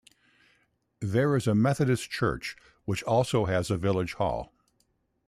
There is a Methodist Church, which also has a village hall.